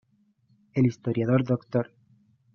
El historiador Dr.